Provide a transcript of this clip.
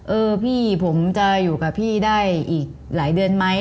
เออพี่ผมจะอยู่กับพี่ได้อีกหลายเดือนไหม